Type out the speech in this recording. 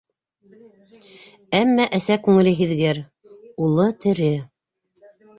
Әммә әсә күңеле һиҙгер: улы тере.